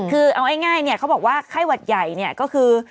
คือเอาง่ายเนี่ยเขาบอกว่าไข้หวัดใหญ่เนี่ยก็คือ